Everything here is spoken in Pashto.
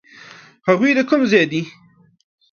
هغوی د کوم ځای دي؟